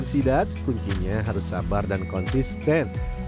untuk membesarkan sidap kuncinya harus sabar dan konsisten